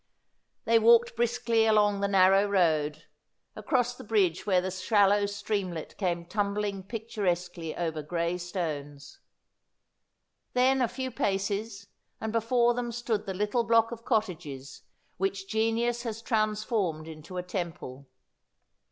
» They walked briskly along the narrow road, across the bridge where the shallow streamlet came tumbling picturesquely over gray stones. Then a few paces, and before them stood the little block of cottages which genius has transformed into a temple.